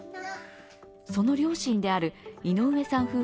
その両親である井上さん